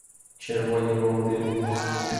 "Червоні вовки"